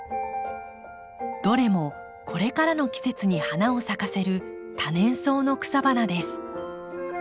どれもこれからの季節に花を咲かせる多年草の草花です。